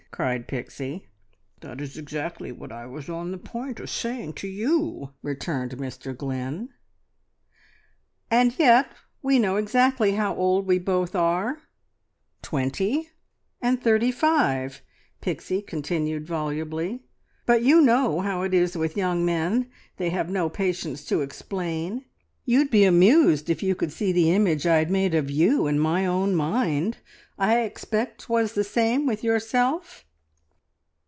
cried Pixie. "That is exactly what I was on the point of saying to you," returned Mr Glynn. "And yet we know exactly how old we both are twenty and thirty five!" Pixie continued volubly. "But you know how it is with young men they have no patience to explain! You'd be amused if you could see the image I'd made of you in my own mind. I expect 'twas the same with yourself?"